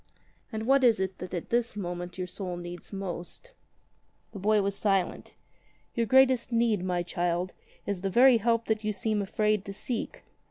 "And what is it that at this moment your soul needs most ?" The boy was silent. "Your greatest need, my child, is the very help that you seem afraid to seek.